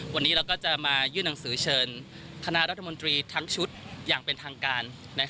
วันนี้เราก็จะมายื่นหนังสือเชิญคณะรัฐมนตรีทั้งชุดอย่างเป็นทางการ